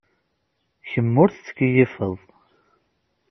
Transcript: Kemm ur tettkeyyifeḍ.